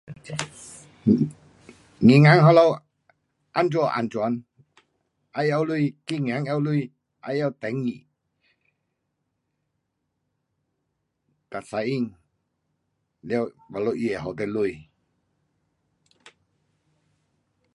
um 银行那个怎样安全，银行拿钱，要拿钱要用登记，跟 sign baru 它会给你钱。